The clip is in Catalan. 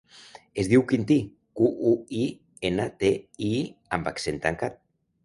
Es diu Quintí: cu, u, i, ena, te, i amb accent tancat.